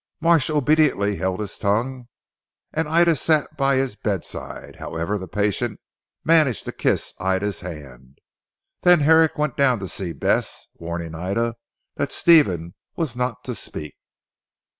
Marsh obediently held his tongue, and Ida sat by his bedside. However the patient managed to kiss Ida's hand. Then Herrick went down to see Bess, warning Ida that Stephen was not to speak.